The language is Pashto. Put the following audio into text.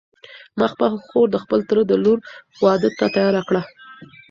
ما خپله خور د خپل تره د لور واده ته تیاره کړه.